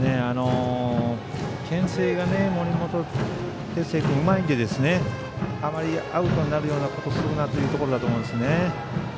けん制が森本哲星君うまいのであまりアウトになるようなことをするなってことだと思います。